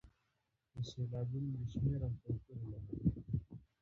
د سېلابونو د شمېر او توپیر له مخې.